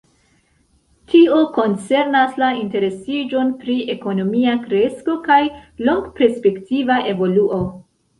Tio koncernas la interesiĝon pri ekonomia kresko kaj longperspektiva evoluo.